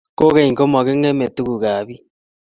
kogeny, komagingeme tugukab biik